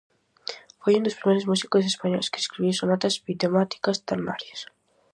Foi un dos primeiros músicos españois que escribiu sonatas bitemáticas ternarias.